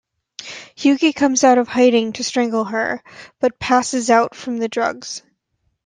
Hughie comes out of hiding to strangle her, but passes out from the drugs.